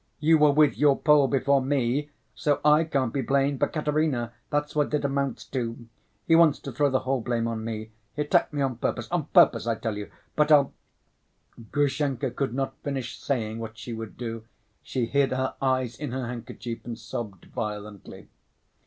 'You were with your Pole before me, so I can't be blamed for Katerina,' that's what it amounts to. He wants to throw the whole blame on me. He attacked me on purpose, on purpose, I tell you, but I'll—" Grushenka could not finish saying what she would do. She hid her eyes in her handkerchief and sobbed violently.